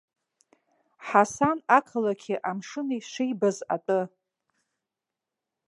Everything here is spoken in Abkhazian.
Ҳасан ақалақьи амшыни шибаз атәы.